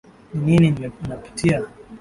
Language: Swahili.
Ni Nini napitia